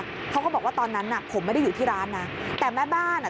เขาก็บอกว่าตอนนั้นน่ะผมไม่ได้อยู่ที่ร้านนะแต่แม่บ้านอ่ะ